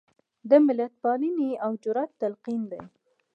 د ملتپالنې او جرات تلقین دی.